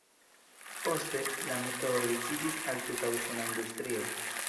Poste, la metodo disiĝis al tuta usona industrio.